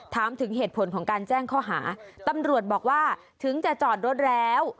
ถามถึงเหตุผลของการแจ้งข้อหาตำรวจบอกว่าถึงจะจอดรถแล้ว